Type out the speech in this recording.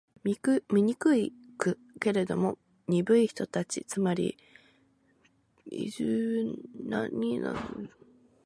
醜く？けれども、鈍い人たち（つまり、美醜などに関心を持たぬ人たち）は、